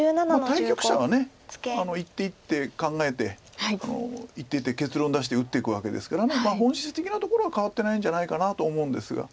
対局者が一手一手考えて一手一手結論出して打っていくわけですから本質的なところは変わってないんじゃないかなと思うんですが。